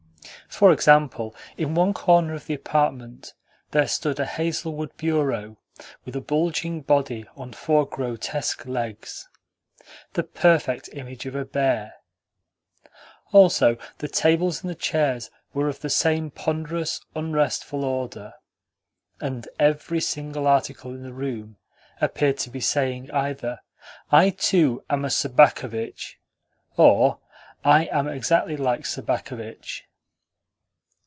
For example, in one corner of the apartment there stood a hazelwood bureau with a bulging body on four grotesque legs the perfect image of a bear. Also, the tables and the chairs were of the same ponderous, unrestful order, and every single article in the room appeared to be saying either, "I, too, am a Sobakevitch," or "I am exactly like Sobakevitch."